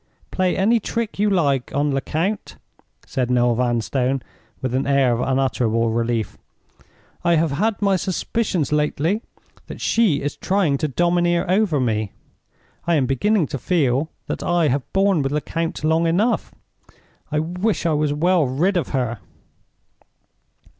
"Play any trick you like on Lecount," said Noel Vanstone, with an air of unutterable relief. "I have had my suspicions lately that she is trying to domineer over me; I am beginning to feel that I have borne with Lecount long enough. I wish I was well rid of her."